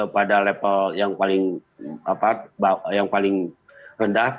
pada level yang paling rendah